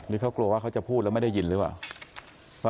นี่เขากลัวว่าเขาจะพูดแล้วไม่ได้ยินหรือเปล่า